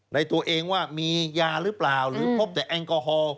ในตัวเองว่ามียาหรือเปล่าหรือพบแต่แอลกอฮอล์